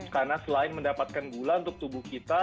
karena selain mendapatkan gula untuk tubuh kita